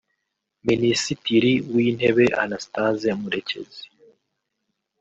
Minisitiri w’Intebe Anastase Murekezi